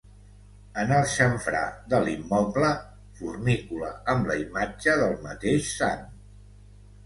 En el xamfrà de l'immoble, fornícula amb la imatge del mateix sant.